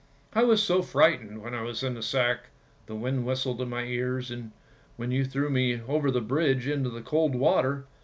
I was so frightened when I was in the sack, the wind whistled in my ears when you threw me over the bridge into the cold water.